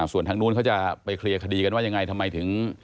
ส่วนทางนู้นเขาจะไปเคลียร์คดีกันว่ายังไงทำไมถึง